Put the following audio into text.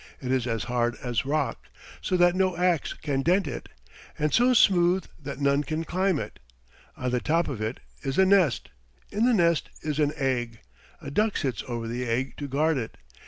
It is as hard as rock, so that no ax can dent it, and so smooth that none can climb it. On the top of it is a nest. In the nest is an egg. A duck sits over the egg to guard it.